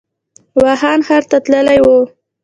ووهان ښار ته تللی و.